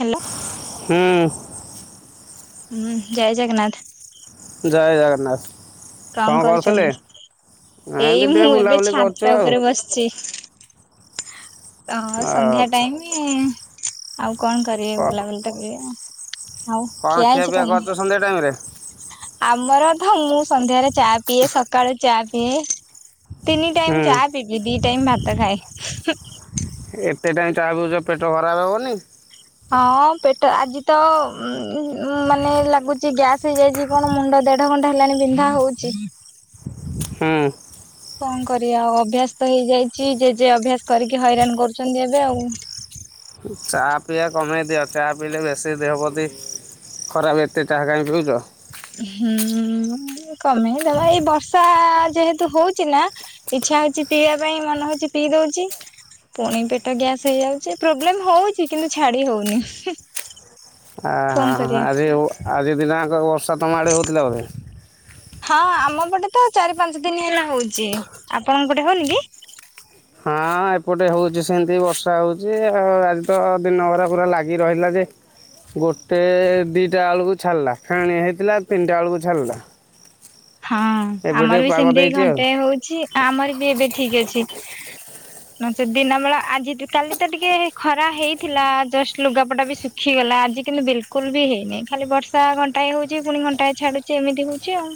Hello ହୁଁ। ହୁଁ ଜୟ ଜଗନ୍ନାଥ। ଜଏ ଜଗନ୍ନାଥ। କଣ କରୁଛନ୍ତି ଏଇ ଏମିତି ଟିକେ ମୁଁ ଏବେ ବୁଲାବୁଲି କରୁଛୁ ଛାତ ଆଉ ଉପରେ ବସଛି। ଏ ହଁ ସନ୍ଧ୍ୟା ଆଚ୍ଛା ଟାଇମି ଆଉ କଣ କରିବେ କ'ଣ ବୁଲାବୁଲି ତ କରିବେ ଆ। ଆଉ ଖିଆ ହେଇଛି କଣ? ଟାଇମି ରେ। ଆମର ଧ ମୁଁ ସନ୍ଧ୍ୟାରେ ଚା ପିଏ ସକାଳେ ଚା ପିଏ। ତିନି ଟାଇମ୍ ଚା ହୁଁ ପିଇବି ଦି ଟାଇମ୍ ଭାତ ଖାଏ। ଏତେ ଟାଇମ ଚା ପିଉଚ ପେଟ ଖରାପେ ହବନି? ହଁ ପେଟ ଆଜି ତ ଉଁ ମାନେ ଲାଗୁଚି ଗ୍ୟାସ୍ ହେଇଯାଇଚି। କଣ ମୁଣ୍ଡ ଦେଢ ଘଣ୍ଟା ହେଲାଣି ବିନ୍ଧା ହୋଉଚି। ହୁଁ। କଣ କରିବା ଅଭ୍ୟାସ ତ ହେଇଯାଇଚି ଜେଜେ ଅଭ୍ୟାସ କରିକି ହଇରାଣ କରୁଛନ୍ତି ଏବେ ଆଉ। ଚା ପିଇବା କମେଇ ଦିଅ ଚା ପିଇଲେ ବେଶୀ ଦେହ ପ୍ରତି। ଖରାପେ ଏତେ ଚାହା କାଇଁ ପିଉଚ? ହୁଁ ଏମତି କମେଇଦବା ଏଇ ବର୍ଷା ଯେହେତୁ ହୋଉଚି ନା। ଇଚ୍ଛା ହଉଛି ପିଇବା ପାଇଁ ମନ ହଉଛି ପିଇ ଦଉଚି। ପୁଣି ପେଟ ଗ୍ୟାସ ହେଇଯାଉଛି ପ୍ରୋବ୍ଲେମ ହଉଛି କିନ୍ତୁ ଛାଡି ହୋଉନି। ଆ ଆଜି ହୋ ଆଜି ଦିନଯାଙ୍କ ବର୍ଷା ତମଆଡ଼େ ହୋଉଥିଲା ବୋଧେ? ହଁ ଆମପଟେ ତ ଚାରି ପାଞ୍ଚ ଦିନ ହେଲା ହୋଉଚି ଆପଣଙ୍କ ପଟେ ହଉନି କି? ହଁ ଏପଟେ ହଉଚି ସେମତି ବର୍ଷା ହୋଉଚି ଆଉ ଆଜି ତ ଦିନଭରା ପୁରା ଲାଗି ରହିଲା ଯେ। ଗୋଟେ ଦିଟାଳୁକୁ ଛାଡ଼ଲା ଫେଣି ହେଇଥିଲା ତିନଟାଳୁକୁ ଛାଡ଼ିଲା। ହଁ ଏବେ ଟିକେ ଆମର ବି ପାଗ ସେମତି ଦେଇଛି ଆଉ ଘଣ୍ଟେ ହଉଛି ଆମର ବି ଏବେ ଠିକ ଅଛି। ନଚେତ୍‌ ଦିନ ବେଳା ଆଜିଠୁ କାଲି ତ ଟିକେ ହେ ଖରା ହେଇଥିଲା ଜଷ୍ଟ ଲୁଗାପଟା ବି ସୁ ହେଇଗଲା ଆଜି କିନ୍ତୁ ବିଲକୁଲ ବି ହେଇନିଁ ଖାଲି ବର୍ଷା ଘଣ୍ଟାଏ ହୋଉଚି ପୁଣି ଘଣ୍ଟାଏ ଛାଡୁଚି ଏମିତି ହୋଉଚି ଆଉ।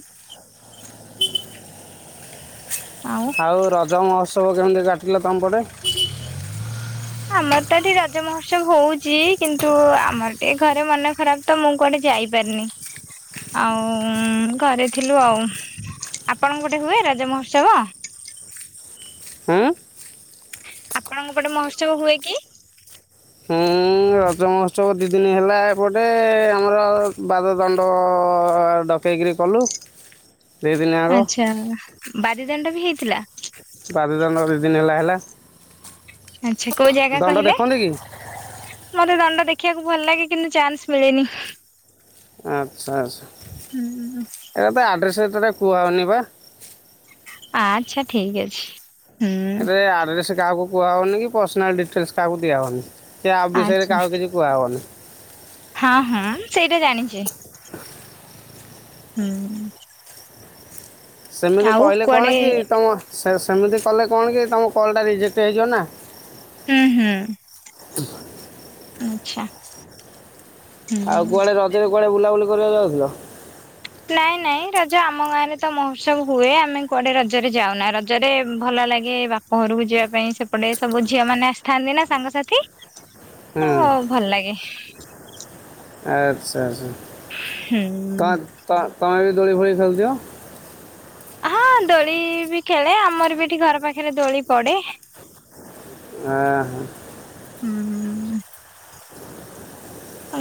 ଆଉ ରଜ ମହୋତ୍ସବ କେମତି କାଟିଲ ତମପଟେ? ଆମର ତ ଏଠି ରଜ ମହୋତ୍ସବ ହୋଉଚି କିନ୍ତୁ ଆମର ଟିକେ ଘରେ ମନ ଖରାପ। ତ ମୁଁ କୁଆଡେ ଯାଇପାରିନି। ଆଉ ଘରେ ଥିଲୁ ଆଉ, ଆପଣଙ୍କ ପଟେ ହୁଏ ରଜ ମହୋତ୍ସବ? ଉଁ? ଆପଣଙ୍କ ପଟେ ମହୋତ୍ସବ ହୁଏ କି? ହୁଁ ରଜ ମହୋତ୍ସବ ଦି ଦିନ ହେଲା ଏପଟେ, ଆମର ବାଦ ଦଣ୍ଡ ଡ କେଇକିରି କଲୁ। ଦୁଇ ଦିନ ଆଗ ଆଚ୍ଛା, ବାରି ଦଣ୍ଡ ବି ହେଇଥିଲା? ବାରି ଦଣ୍ଡ ଦି ଦିନ ହେଲା-ହେଲା। ଆଚ୍ଛା, କୋଉ ଜାଗା କହିଲେ? ମତେ ଦଣ୍ଡ ଦେଖିଆକୁ ଭଲ ଲାଗେ କିନ୍ତୁ ଚାନ୍ସ ମିଳେନି। ଆଚ୍ଛା-ଆଚ୍ଛା ହୁଁ ଏଟା ତ ଆଡ଼୍ରେସ୍ ଏଟାଟା କୁହା ହଉନି ବା। ଆଚ୍ଛା, ଠିକ୍ ଅଛି। ହୁଁ ଏଠାରେ ଆଡ୍ରେସ୍ କାହାକୁ କୁହାହେଉନି କି ପର୍ସନାଲ୍ ଡିଟେଲ୍ସ କାହାକୁ ଦିଆହଉନି କି ଆପ୍ ବିଷୟରେ କାହାକୁ କିଛି କୁହା ହବନି। ହଁ-ହଁ ସେଇଟା ଜାଣିଚି। ହୁଁ। ସେମିତି ଆଉ କହିଲେ କଣ କୁଆଡେ କି ତମ, ସେମିତି କଲେ କଣ କି ତମ କଲ୍ ଟା ରେଜେକ୍ଟ ହେଇଯିବ ନା। ହୁଁ-ହୁଁ ଆଚ୍ଛା। ହୁଁ। ଆଉ କୁଆଡ଼େ ରଜେରେ କୁଆଡ଼େ ବୁଲାବୁଲି କରିବାକୁ ଯାଉଥିଲ? ନାଇଁ-ନାଇଁ ରଜ ଆମ ଗାଁ ରେ ତ ମହୋତ୍ସବ ହୁଏ ଆମେ କୁଆଡେ ରଜରେ ଯାଉନା, ରଜରେ ଭଲ ଲାଗେ ବା ପ ଘରୁକୁ ଯିବା ପାଇଁ, ସେପଟେ ସବୁ ଝିଅ ମାନେ ଆସିଥାନ୍ତି ନା ସାଙ୍ଗସାଥି ହୁଁ। ଭଲ୍ ଲାଗେ। ଆଚ୍ଛା, ହୁଁ। ତମେ-ତମେ ବି ଦୋଳି ଫୋଳି ଖେଳୁଥିବ? ହଁ ଦୋଳି ବି ଖେଳେ, ଆମର ବି ଏଠି ଘର ପାଖେରେ ଦୋଳି ବି ପଡେ। [inaudible] ହୁଁ-ହୁଁ।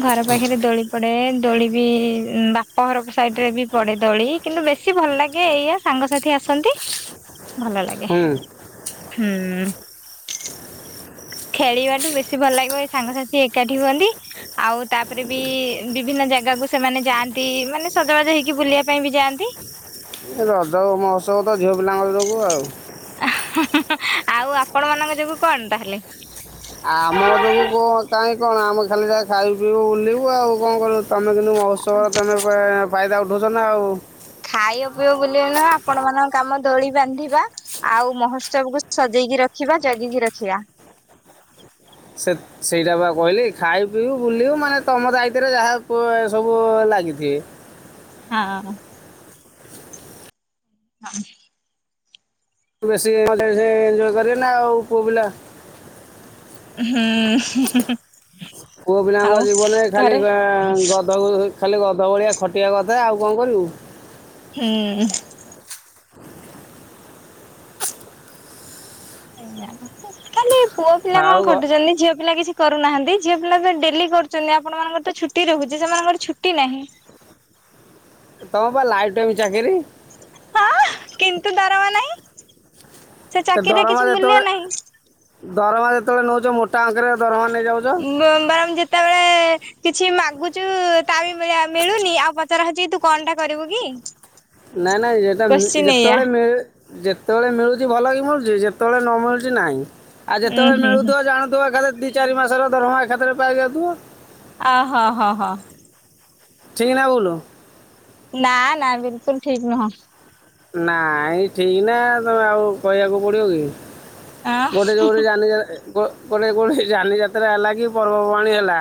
ଘର ପାଖେରେ ଦୋଳି ପଡେ, ଦୋଳି ବି ବାପଘର ସାଇଟ୍ ରେ ବି ପଡେ ଦୋଳି। କିନ୍ତୁ ବେଶୀ ଭଲ୍ ଲାଗେ ଏଇଆ ସାଙ୍ଗସାଥି ଆସନ୍ତି ଭଲ ଲାଗେ, ହୁଁ ହୁଁ। ଖେଳିବାଠୁ ବେଶୀ ଭଲ ଲାଗିବ, ଏଇ ସାଙ୍ଗସାଥି ଏକାଠି ହୁଅନ୍ତି। ଆଉ ତାପରେ ବି ବିଭିନ୍ନ ଜାଗାକୁ ସେମାନେ ଯାଆନ୍ତି ମାନେ ସଜବାଜ ହେଇକି ବୁଲିବା ପାଇଁ ବି ଯାଆନ୍ତି। ଏ ରଜ ମହୋତ୍ସବ ତ ଝିଅ ପିଲାଙ୍କ ଯୋଗୁ ଆଉ। ଆଉ ଆପଣ ମାନଙ୍କ ଯୋଗୁ କଣ ତାହେଲେ? ଆମ ଯୋଗୁ କଣ କାଇଁ କଣ ଆମେ ଖାଲି ଯାହା ଖାଇବୁ ପିଇବୁ ବୁଲିବୁ ଆଉ କଣ କରିବୁ ତମେ କିନ୍ତୁ ମହୋତ୍ସବର ତେମେ ବା ଫାଇଦା ଉଠୋଉଚ ନା ଆଉ। ଖାଇବ ପିଇବ ବୁଲବ ନୁହଁ, ଆପଣ ମାନଙ୍କ କାମ ଦୋଳି ବାନ୍ଧିବା ଆଉ ମହୋତ୍ସବକୁ ସଜେଇକି ରଖିବା ଜଗିକି ରଖିବା। ସେ ସେଇଟା ବା କହିଲି ଖାଇବୁ ପିଇଉ ବୁଲିବୁ ମାନେ ତମ ଦାୟିତ୍ୱରେ ଯାହା ସବୁ ଲାଗିଥିବେ। ହଁ। ହଁ। ବେଶୀ [unintelligible] ଏଞ୍ଜୟ୍ କରିବେ ନା ଆଉ ପୁଅ ପିଲା ହୁଁ ହୁଁ ହୁଁ ପୁଅ ପିଲାଙ୍କ ଜୀବନରେ ଖାଲି ଘରେ ଗାଁ ଗଧକୁ ଖାଲି ଗଧ ଭଳିଆ ଖଟିଆ କଥା ଆଉ କଣ କରିବୁ? ହୁଁ। ଖାଲି ପୁଅ ପିଲା କଣ ଆଉ ଗ- ଖଟୁଛନ୍ତି ଝିଅ ପିଲା କିଛି କରୁନାହାନ୍ତି, ଝିଅ ପିଲା ତ ଡେଲି କରୁଛନ୍ତି ଆପଣ ମାନଙ୍କର ତ ଛୁଟି ରହୁଛି ସେମାନଙ୍କର ଛୁଟି ନାହିଁ। ତମ ବା ଲାଇଫ୍ ଟାଇମ ଚାକିରି। ହଁ କିନ୍ତୁ ଦରମା ନାହିଁ ସେ ଏ ଚାକିରିରେ ଦରମା କିଛି ଯେତେବେଳେ ମୂଲ୍ୟ ନାହିଁ। ଦରମା ଯେତେବେଳେ ନଉଛ ମୋଟା ଅଙ୍କରେ ଦରମା ନେଇଯାଉଛ ମ୍ୟାମ୍ ବାରଂ ଯେତେବେଳେ କିଛି ମାଗୁଚୁ ତା ବି ମିଳିଆ ମିଳୁନି ଆଉ ପଚରା ହଉଛି ତୁ କଣଟା କରିବୁ କି? ନାଇଁ ନାଇଁ ଏଟା କୋଶ୍ଚିନ୍ ଏଇଆ ଯେତେବେଳେ ମିଳେ ଯେତେବେଳେ ମିଳୁଛି ଭଲକି ମିଳୁଛି ଯେତେବେଳେ ନ ମିଳୁଛି ନାଇଁ। ଆଉ ଉୁଁ ଯେତେବେଳେ ହୁଁ ହୁଁ ମିଳୁଥିବ ଜାଣୁଥିବ ଖାଲି ଦି ଚାରି ମାସରେ ଦରମା ଏକାଥରେ ପାଇ ଯାଉଥିବ। ଆ ହଁ ହଁ ହଁ। ଠିକ୍ ନା ଭୁଲ୍? ନା ନା ବିଲକୁଲ ଠିକ୍ ନୁହଁ। ନାଇଁ ଠିକ୍ ନା ତମେ ଆଉ କହିଆକୁ ପଡିବ କି? ଆ ଗୋଟେ ଯୋଉଠି ଯାନି ଯା-ଏ-ଗୋ ଗୋଟେ କୋଉଠି ଯାନି ଯାତ୍ରା ହେଲା କି ପର୍ବପର୍ବାଣୀ ହେଲା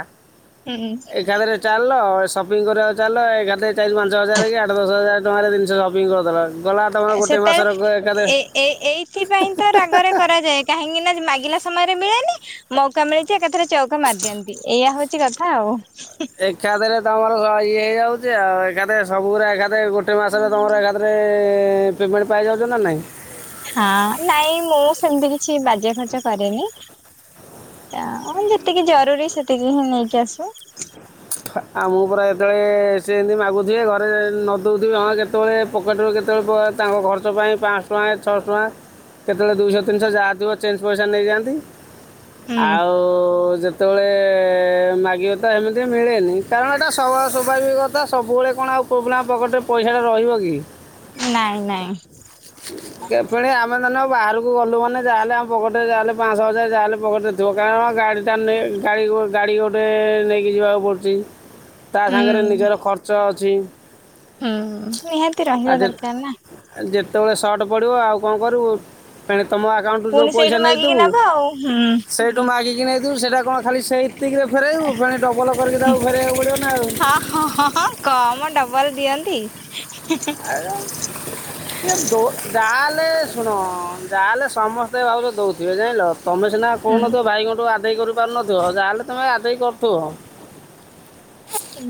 ହୁଁ। ଏକାଥରେ ଚାଲ ସପିଂ କରିଆ ଚାଲ ଏକାଥେ ଚାରି ପାଞ୍ଚ ହଜାର କି ଆଠ ଦଶ ହଜାର ତମ ନାଁରେ ଜିନିଷ ସପିଙ୍ଗ କରିଦେଲ। ଗଲା ତମର ଗୋଟେ ମାସର କ- ଏକାଥରେ ସେତେବେଳେ ଏ-ଏ-ଏଇଥିପାଇଁ ତ ରାଗରେ କରାଯାଏ। କାହିଁକିନା ମାଗିଲା ସମୟରେ ମିଳେନି। ମୌକା ମିଳିଚି ଏକାଥରେ ଚୌକା ମାରିଦିଅନ୍ତି ଏଇଆ ହଉଚି କଥା ଆଉ। ଏକାଥରେ ତମର ଇଏ ହେଇଯାଉଛି ଆଉ ଏକାଥେରେ ସବୁଗୋରା ଏକାଥରେ ଗୋ ପ୍ରତ୍ୟେକ ମାସରେ ତମର ଏକାଥରେ ପେମେଣ୍ଟ ପାଇଯାଉଛ ନା ନାହିଁ? ହଁ ନାଇଁ ମୁଁ ସେମିତି କିଛି ବାଜେ ଖର୍ଚ୍ଚ କରେନି। ତା ଯେତିକି ଜରୁରୀ ସେତିକି ହିଁ ନେଇକି ଆସୁ। ଆଉ ମୁଁ ପୁରା ଯେତେବେଳେ ସେ ଏମିତି ମାଗୁଥିବେ ଘରେ ନଦେଉଥିବେ ହଁ କେତେବେଳେ ପକେଟରୁ କେତେବେଳେ କୁଆଡେ ତାଙ୍କ ଖର୍ଚ୍ଚ ପାଇଁ ପାଁ ଶହ ଟଙ୍କା ଛଅ ଶହ ଟଙ୍କା କେତେବେଳେ ଦୁଇ ଶହ ତିନି ଶହ ଯହାଥିବ ଚେଞ୍ଚ ପଇସା ନେଇଯାଆନ୍ତି। ଆଉ ଯେତେବେଳେ ମାଗିବ ତ ଏମିତି ମିଳେନି କାରଣ ଏଇଟା ସୱା ସ୍ୱଭାବିକ କଥା ସବୁବେଳେ କଣ ଆଉ ପୁଅ ପିଲାଙ୍କ ପକେଟରେ ପଇସାଟା ରହିବ କି? ନାଇଁ ନାଇଁ। କେବେଲେ ଆମେ ନନେ ବାହାରକୁ ଗଲୁ ମାନେ ଯାହା ହେଲେ ଆମ ପକେଟରେ ଯାହା ହେଲେ ଯାହା ହେଲେ ପାଁ ଶହ ହଜାରେ ଯାହା ହେଲେ ପକେଟରେ ଦୋକାନ ଗାଡ଼ି ତାର ନେ ଗାଡ଼ି ଗୋ ଗାଡ଼ି ଗୋଟେ ନେଇକି ଯିବାକୁ ପଡ଼ୁଛି। ମାଙ୍କଡ଼ ତା ସାଙ୍ଗରେ ନିଜର ଖର୍ଚ୍ଚ ଅଛି। ହୁଁ ନିହାତି ରହିବା ଦରକାର ନା। ଏ ଯେତେବେଳେ ସଟ୍ ପଡିବ ଆଉ କଣ କରିବୁ ପେନେ ତମ ଆ ଆକାଉଣ୍ଟରୁ ଯୋଉ ପୁଣି ପଇସା ସେଇଠୁ ମାଗିକି ନେଇଥିବୁ ନେବା ଆଉ। ହୁଁ। ସେ ଯୋଉ ମାଗିକି ନେଇଥିବୁ ସେଟା କଣ ଖାଲି ସେଇତିକିରେ ଫେରେଇବୁ ଫେନେ ଡବଲ କରିକି ତାକୁ ଫେରେଇଆକୁ ପଡିବ ନାଉ। ହଁ ହଁ ହଁଁ କମ୍ ଡବଲ ଦିଅନ୍ତି। [unintelligible] ଯାହାଲେ ଶୁଣ ଯାହାଲେ ସମସ୍ତେ ଭାଗ ଦଉଥିବେ ଜାଣିଲ ତମେ ସିନା ହୁଁ। କହୁନଥିବ ଭାଇଙ୍କଠୁ ଆଦାୟ କରିପାରୁନଥିବ ଯାହାହେଲେ ତମେ ଆଦାୟ କରୁଥିବ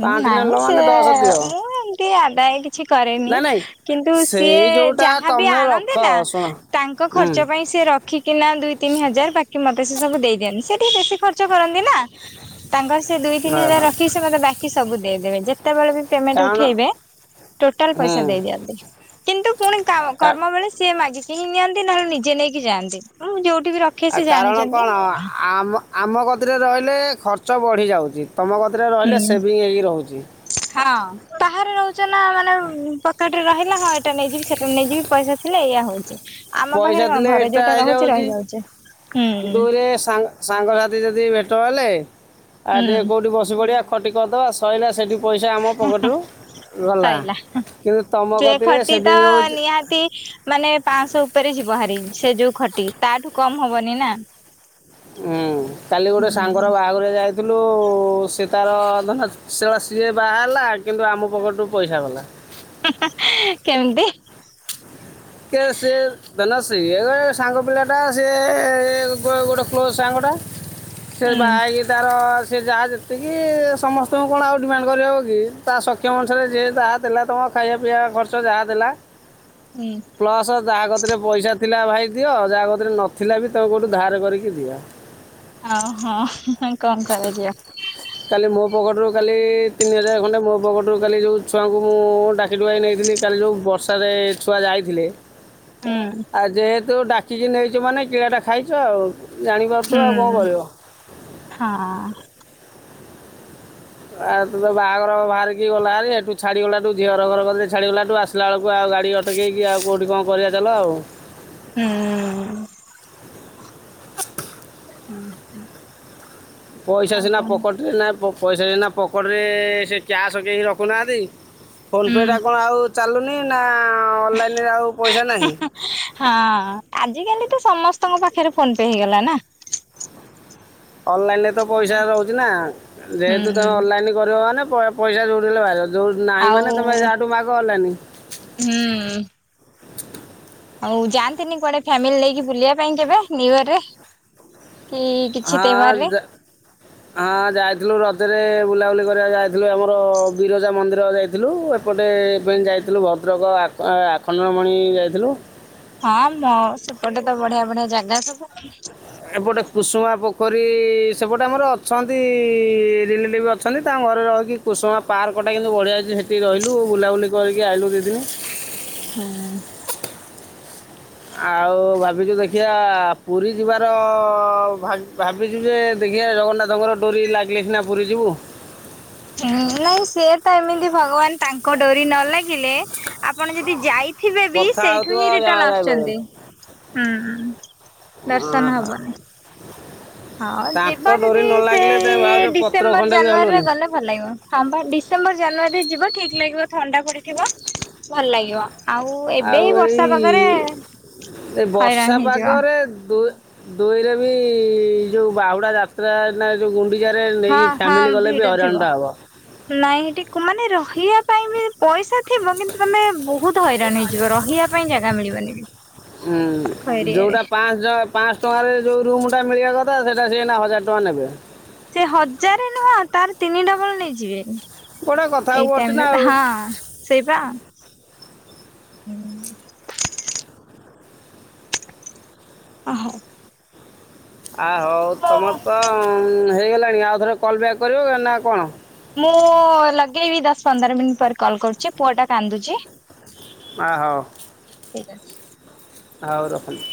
ପାଞ୍ଚ ନେଲ ନାଇଁ ସେ ମାନେ ଦଶ ଦିଅ ମୁଁ ଏମତି ଆଦାୟ କିଛି କରେନି ନା ନାଇଁ କିନ୍ତୁ ସେଇ ସିଏ ଯୋଉଟା ଯାହା ବି ତମେ ରଖ ଆଣନ୍ତେ ନା ଶୁଣ ତାଙ୍କ ହୁଁ ଖର୍ଚ୍ଚ ପାଇଁ ସେ ସେ ରଖିକିନା ଦୁଇ ତିନି ହଜାର ବାକି ମତେ ସେ ସବୁ ଦେଇ ଦିଅନ୍ତି ସେ ଟିକେ ବେଶୀ ଖର୍ଚ୍ଚ କରନ୍ତି ନା ତାଙ୍କର ସେ ଦୁଇ ତିନି ହଜାର ଓହୋ। ରଖିକି ସେ ମତେ ବାକି ସବୁ ଦେଇଦେବେ ଯେତେବେଳେ ବି ପେମେଣ୍ଟ କାରଣ ଉଠେଇବେ ଟୋଟାଲ ହୁଁ ପଇସା ଦେଇ ଦିଅନ୍ତି କିନ୍ତୁ ପୁଣି କାମ କା- କର୍ମ ବେଳେ ସିଏ ମାଗିକି ହିଁ ନିଅନ୍ତି ନହେଲେ ନିଜେ ନେଇକି ଯାଆନ୍ତି ଯୋଉ ଆ କାରଣ କଣ ଆମ ଆମ କତିରେ ରହିଲେ ଖର୍ଚ୍ଚ ବଢ଼ିଯାଉଛି ତୁମ କତିରେ ରହିଲେ ହୁଁ। ସେଭିଙ୍ଗ ହେଇକି ରହୁଛି ହଁ ବାହାରେ ରହୁଛ ନା ମାନେ ପକେ ପାଖରେ ରିହିଲା ହଁ ଏଇଟା ନେଇିଯିବି ସେଟା ନେଇଯିବି ପଇସା ଥିଲେ ଏଇଆ ହଉଛି ଆମ ପାଖରେ ପଇସା କଣ ଥିଲେ ଘରେ ଏଟା ଯୋଉଟା ରହୁଛି ହେଇଯାଉଛି ରହିଯାଉଛି ହୁଁ ଦୁରେ ସାଙ୍ଗ ସାଙ୍ଗସାଥି ଯଦି ଭେଟ ହେଲେ ଆଉ ହୁଁ ଟିକେ କଉଠି ବସି ପଡ଼ିବା ଖଟି କରିଦେବା ସଇିଲା ସେଇଠି। ପଇସା ଆମ ପକେଟରୁ ଗଲା ସଇଲା। କିନ୍ତୁ ତମ ସେ ଗତିରେ ଖଟି ତ ସେଭିଙ୍ଗ ହେଉଛି। ନିହାତି ମାନେ ପାଞ୍ଚଶହ ଉପରେ ଯିବ ହାରି ସେ ଯୋଉ ଖଟି ତାଠୁ କମ ହବନି ନା। ହୁଁ କାଲି ଗୋଟେ ସାଙ୍ଗର ହୁଁ ବାହାଘର କୁ ଯାଇ କିନ୍ତୁ ସେ ତାର ବାହା ହେଲା କିନ୍ତୁ ଆମ ପକେଟ ରୁ ପଇସା ଗଲା ହଁ ହଁ କେମିତି। [unintelligible] ଧନ ଇଏ ସାଙ୍ଗ ପିଲା ଟା ସିଏ ଗୋଟେ କ୍ଲୋଜ ସାଙ୍ଗଟା। ସେ ହୁଁ ବାହା ହେଇକି ତାର ସେ ଯାହା ଯେତିକି ସମସ୍ତଙ୍କୁ କଣ ଆଉ ଡିମାଣ୍ଡ କରିହବ କି ତା ସକ୍ଷ। ସକ୍ଷମ ଅନୁସାରେ ଯିଏ ଯାହା ଦେଲା ତୁମ ଖାଇବା ପିଇବା ଖର୍ଚ୍ଚ ଯାହା ଦେଲା। ହୁଁ। ପ୍ଲସ୍ ଯାହା କତିରେ ପଇସା ଥିଲା ଭାଇ ଦିଅ ଯାହା ଗତିରେ ନଥିଲା ବି ତମେ କେଉଁଠୁ ଧାର କରିକି ଦିଅ। ଆଉ ହଁ କଣ କରାଯିବ। କାଲି ମୋ ପଜେଟରୁ କାଲି ତିନି ହଜାର ଖଣ୍ଡେ ମୋ ପକେଟରୁ କାଲି ଯେଉଁ ଛୁଆଙ୍କୁ ମୁଁ ଡାକି ଡୁକାଇ ନେଇଥିଲି। କାଲି ଯୋଉ ବର୍ଷାରେ ଛୁଆ ଯାଇଥିଲେ। ହୁଁ। ଆଉ ଯେହେତୁ ଡାକିକି ନେଇଛ ମାନେ କିଳା ଟା ଖାଇଛ ଆଉ ଜାଣିପାରୁ ହୁଁ ଥିବ ଆଉ କ ଣ କରିବ। ହଁ। ଆଉ ତୁ ତ ବାହାଘର ବାହାରିକି ଗଲା ବେଳେ ଏଠୁ ଛାଡିଗଲା ଠୁ ଝିଅ ର ଘର ଛାଡିଗଲା ଟୁ ଆସ ଗଲାବେଳକୁ ଆଉ ଗାଡ଼ି ଅଟକେଇକି ଆଉ କଉଠିି କଣ କରିବା ଚାଲ ଆଉ। ହୁଁ ହୁଁ ହୁଁ ପଇସା ସିନା ପକେଟରେ ପଇସା ସିନା ପକେଟ ରେ ସେ କ୍ୟାସ କେହି ରଖୁନାହାନ୍ତି। ଫୋନ ପେ ଟା ହୁଁ କଣ ଆଉ ଚାଲୁନି ନା ଅନଲାଇନରେ ଆଉ ପଇସା ନାହିଁ। ହଁ ଆଜିକାଲି ତ ସମସ୍ତଙ୍କ ପାଖରେ ଫୋନ ପେ ହେଇଗଲା ନା। ଅନଲାଇନ ରେ ତ ପଇସା ରହୁଛି ନା ଯେହେତୁ ହୁଁ ତମେ ଅନଲାଇନ କରିବ ମାନେ ପଇସା କୋଉଠୁ ହେଲେ ବାହାରିବ। ଯୋଉ ନାଇଁ ଆଉ ମାନେ ତମେ ଯାହାଠୁ ମାଗ ଅନଲାଇନି। ହୁଁ। ଆଉ ଯାଆନ୍ତିନି କୁଆଡେ ଫ୍ୟାମିଲି ନେଇକି ବୁଲିବା ପାଇଁ କେବେ ନିୁ ଇୟର ରେ। କି ହଁ ରେ ଯା ହଁ ଯାଇଥିଲୁ ରଜରେ ବୁଲାବୁଲି କରିବାକୁ ଯାଇଥିଲୁ ଆମର ବିରଜା ମନ୍ଦିର ଯାଇଥିଲୁ ଏ ଏପଟେ ଫେଣି ଯାଇଥିଲୁ ଭଦ୍ରକ ଆଖଣ୍ଡମଣି ଯାଇଥିଲୁ। ହଁ ମ ସେପଟେ ତ ବଢିଆ ବଢିଆ ଜାଗା ସବୁ। ଏପଟେ କୁସୁମା ପୋଖରୀ ସେପଟେ ଆମର ଅଛନ୍ତି ରିଲେଟିଭ୍ ଅ ଅଛନ୍ତି ତା ଘରେ ରହିକି କୁଷୁମା ପାର୍କଟା କିନ୍ତୁ ବଢ଼ିଆ ଅଛି ସେଠି ରହିଲୁ ବୁଲାବୁଲି କରିକି ଆଇଲୁ ଦୁଇ ଦିନ। ହୁଁ। ଆଉ ଭାବିଛୁ ଦେଖିବା ପୁରୀ ଯିବାର ଭାବି ଭାବି ଭାବିଚୁ ଯେ ଦେଖିବା ଜଗନ୍ନାଥଙ୍କର ଡୋରି ଲାଗିଲେ ସିନା ପୁରୀ ଯିବୁ। ନାଇଁ ସେ ତ ଏମିତି ଭଗବାନ ତାଙ୍କ ଡୋରି ନ ଲାଗିଲେ। ଆପଣ ଯଦି ଯାଇଥିବେ ବି କଥା ସେଇଠୁ ହେଉଥିବ ହିଁ ଯାହା ରିଟର୍ନ ଆସୁଛନ୍ତି ହଁ। ହଁ ହଁ। ହଁ ଯିବା ଡୋରି ଯଦି ନ ଲାଗିଲେ ସେଇ ତାଙ୍କ ଭାଉଜ ପତ୍ର ଡିସେମ୍ବର ଖଣ୍ଡେ ବି ଜାନୁଆରୀରେ ହଲୁନି ଗଲେ। ଭଲ ଲାଗିବ ହଁ ବା ଡିସେମ୍ବର ଜାନୁଆରୀ ଯିବ ଠିକ ଲାଗିବ ଥଣ୍ଡା ପଡିଥିବ ଭଲ ଲାଗିବ। ଆଉ ଏବେ ଆଉ ବର୍ଷା ଏଇ ପାଗରେ ଏ ହଇରାଣ ବର୍ଷା ହେଇଯିବ ପାଗରେ ଦୁ ଦୁଇରେ ବି ଯୋଉ ବାହୁଡା ଯାତ୍ରା ନା ଗୁଣ୍ଡିଚାରେ ହଁ ନେଇକି ହଁ ଫ୍ୟାମିଲି ଗଲେ ବି ଭିଡ ଥିବ ହଇଣଟା ହବ। ନାଇଁ ଟିକ ମାନେ ରହିବା ପାଇଁ ବି ପଇସା ଥିବ। କିନ୍ତୁ ତମେ ବହୁତ ହଇରାଣ ହେଇଯିବ ରହିବା ପାଇଁ ଜାଗା ମିଳିବନି। ହୁଁ ପାଖ ଏରିଆରେ ଯଉଟା ପା ପାଞ୍ଚ ଜପ୍ ପାଆଁଶ ଟଙ୍କାରେ ଯୋଉ ରୁମ ଟା ମିଳିବା କଥା ସେଟା ସେଇ ହଜାର ଟଙ୍କା ନେବେ। ସେ ହଜାର ନୁହଁ ତାର ତିନି ଡବଲ ନେଇଯିବେ। ଗୋଟେ କଥାକୁ ଏଇ ପଡ଼ୁଛି ଟାଇମରେ ନା ତ ଆଉ ହଁ ସେଇପ। ଆ ହୋ [unintelligible] ଆ ହଉ ତୁମର ତ ହେଇଗଲାଣି ଆଉ ଥରେ କଲ୍ ବ୍ୟାକ୍ କରିବ ନା କଣ? ମୁଁ ଲଗେଇବି ଦଶ ପନ୍ଦର ମିନିଟ୍ ପରେ କଲ୍ କରୁଛି। ପୁଅଟା କାନ୍ଦୁଛି। ଓ ହୋ [unintelligible] ଠିକ୍ ଅଛି। ଆଉ ରଖୁଛି